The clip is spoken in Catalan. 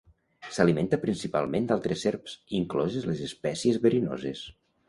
S'alimenta principalment d'altres serps, incloses les espècies verinoses.